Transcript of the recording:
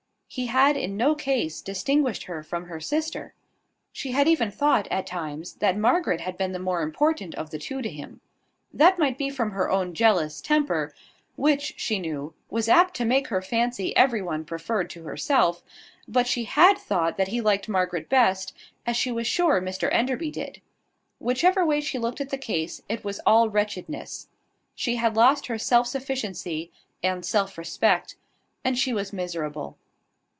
He had in no case distinguished her from her sister. She had even thought, at times, that Margaret had been the more important of the two to him. That might be from her own jealous temper, which, she knew, was apt to make her fancy every one preferred to herself: but she had thought that he liked Margaret best, as she was sure Mr Enderby did. Whichever way she looked at the case, it was all wretchedness. She had lost her self sufficiency and self respect, and she was miserable.